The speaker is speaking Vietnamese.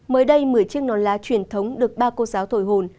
mới đây một mươi chiếc non lá truyền thống được ba cô giáo thổi hồn